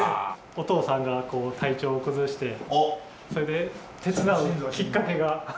お義父さんが体調を崩してそれで手伝うきっかけがありまして。